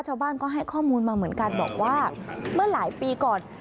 ชาวบ้านก็ให้ข้อมูลมาเหมือนกันบอกว่าเมื่อหลายปีก่อน